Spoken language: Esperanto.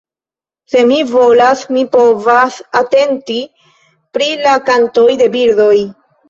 Se mi volas, mi povas atenti pri la kantoj de birdoj.